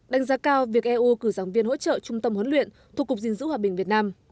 đánh giá cao việc eu cử giảng viên hỗ trợ trung tâm huấn luyện thuộc cục diện giữ hòa bình việt nam